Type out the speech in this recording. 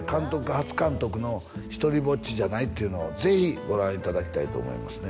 初監督の「ひとりぼっちじゃない」っていうのをぜひご覧いただきたいと思いますね